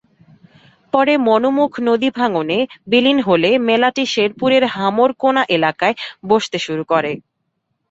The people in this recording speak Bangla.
পরে মনুমুখ নদীভাঙনে বিলীন হলে মেলাটি শেরপুরের হামরকোণা এলাকায় বসতে শুরু করে।